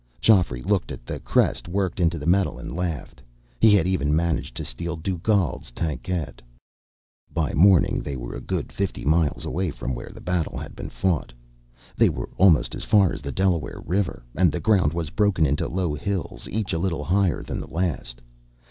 Geoffrey looked at the crest worked into the metal, and laughed. He had even managed to steal Dugald's tankette. By morning, they were a good fifty miles away from where the battle had been fought. They were almost as far as the Delaware River, and the ground was broken into low hills, each a little higher than the last.